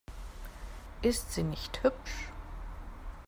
Ist sie nicht hübsch?